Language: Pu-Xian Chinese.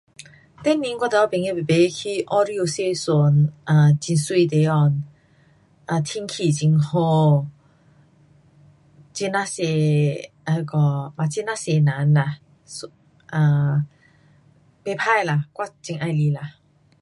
前年我和我朋友排排去澳洲坐船 um 会美地方。啊,天气很好，很呐多那个 ,but 很呐多人啦。um 不错啦，我很喜欢啦。